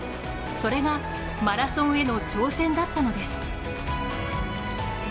それがマラソンへの挑戦だったのです。